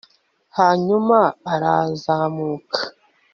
hanyuma arazamuka